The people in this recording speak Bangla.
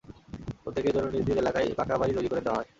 প্রত্যেকের জন্য নিজ নিজ এলাকায় পাকা বাড়ি তৈরি করে দেওয়া হয়।